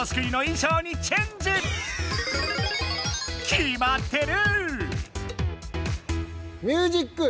きまってる！